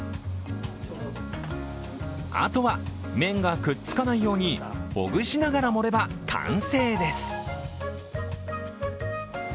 あとは、麺がくっつかないようにほぐしながら盛れば、完成です。